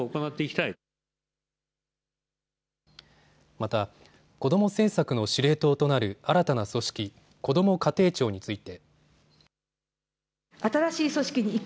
また子ども政策の司令塔となる新たな組織、こども家庭庁について。